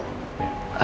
tapi udah kebun ya